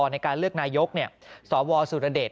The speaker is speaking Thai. ในการเลือกนายกสวสุรเดช